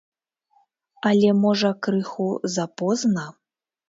Але можа крыху запозна?